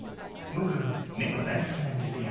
僕ネコ大好きなんですよ。